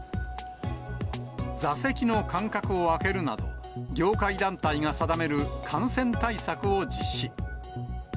座席の間隔を空けるなど、業界団体が定める感染対策を実施。